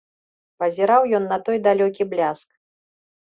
Пазіраў ён на той далёкі бляск.